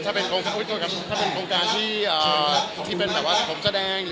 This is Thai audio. ถ้าเป็นโครงการที่เป็นแบบว่าสมสดัง